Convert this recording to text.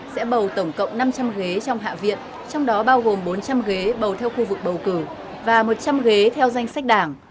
sẽ bầu tổng cộng năm trăm linh ghế trong hạ viện trong đó bao gồm bốn trăm linh ghế bầu theo khu vực bầu cử và một trăm linh ghế theo danh sách đảng